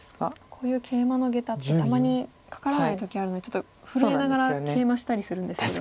こういうケイマのゲタってたまにカカらない時あるのでちょっと震えながらケイマしたりするんですけど。